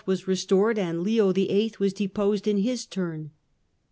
was restored and Leo VIIL was deposed in his turn.